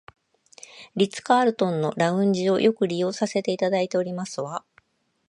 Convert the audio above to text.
リッツカールトンのラウンジをよく利用させていただいておりますわ